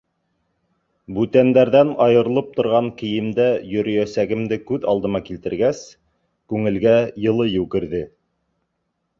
Бүтәндәрҙән айырылып торған кейемдә йөрөйәсәгемде күҙ алдыма килтергәс, күңелгә йылы йүгерҙе.